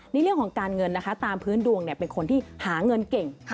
ในเรื่องของการเงินนะคะตามพื้นดวงเป็นคนที่หาเงินเก่ง